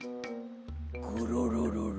ゴロロロロ。